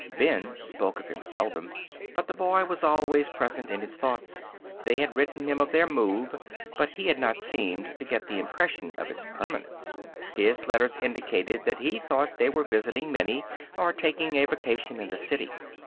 Ben spoke of him seldom, but the boy was always present in his thoughts. They had written him of their move, but he had not seemed to get the impression of its permanence. His letters indicated that he thought they were visiting Minnie, or taking a vacation in the city.